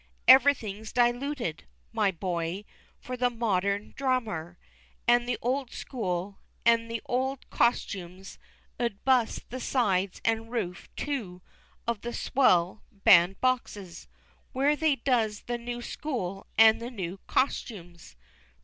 Everything's dilooted, my boy, for the modden drarmer; and the old school, an' the old kostumes 'ud bust the sides and roof too of the swell band boxes, where they does the new school and the new kostumes.